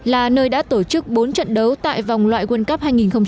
là nơi đã tổ chức bốn trận đấu tại vòng loại quân cấp hai nghìn một mươi tám